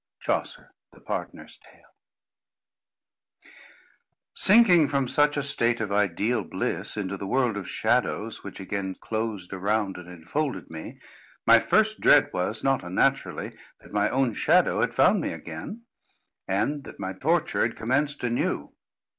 CHAUCER, The Pardoneres Tale. Sinking from such a state of ideal bliss, into the world of shadows which again closed around and infolded me, my first dread was, not unnaturally, that my own shadow had found me again, and that my torture had commenced anew.